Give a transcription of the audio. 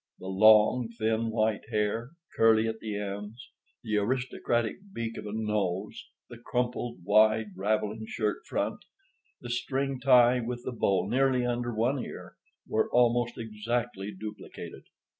The long, thin white hair, curly at the ends, the aristocratic beak of a nose, the crumpled, wide, raveling shirt front, the string tie, with the bow nearly under one ear, were almost exactly duplicated.